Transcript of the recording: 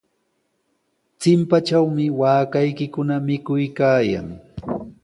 Chimpatrawmi waakaykikuna mikuykaayan.